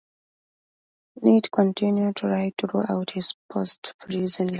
Knight continued to write throughout his post-prison life.